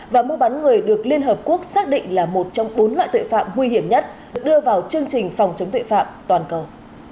và mua bán người được liên hợp quốc xác định là một trong bốn loại tội phạm nguy hiểm nhất được đưa vào chương trình phòng chống tuệ phạm toàn cầu